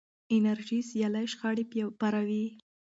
انرژي سیالۍ شخړې پاروي.